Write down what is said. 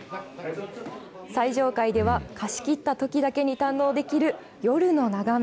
最上階では貸切ったときだけに堪能できる夜の眺め。